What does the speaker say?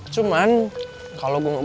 cuman gue gak suka sama reva